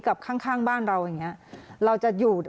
กับข้างบ้านเราอย่างนี้